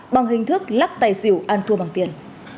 bằng hình thức lắc tay xỉu an thua bằng tiền